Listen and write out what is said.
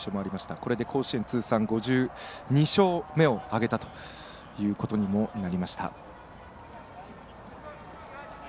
これで甲子園通算５２勝目を挙げたということにもなりました。